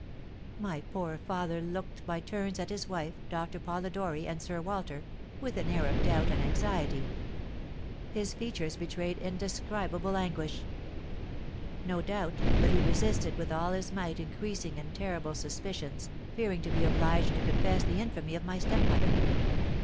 "My poor father looked by turns at his wife, Doctor Polidori, and Sir Walter, with an air of doubt and anxiety; his features betrayed indescribable anguish. No doubt but he resisted with all his might increasing and terrible suspicions, fearing to be obliged to confess the infamy of my stepmother.